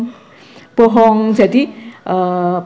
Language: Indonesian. jadi pak sby dulu kan waktu kami diterima